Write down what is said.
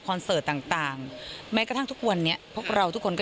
คอนเซิร์ตต่างแม้กระทั่งทุกวันเนี้ยพวกเราทุกคนก็